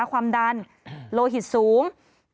ความดันโลหิตสูง